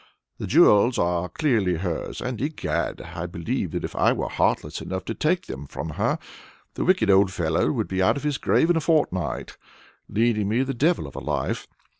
The jewels are clearly hers, and, egad, I believe that if I were heartless enough to take them from her, the wicked old fellow would be out of his grave in a fortnight, leading me the devil of a life.